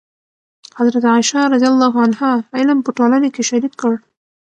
حضرت عایشه رضي الله عنها علم په ټولنه کې شریک کړ.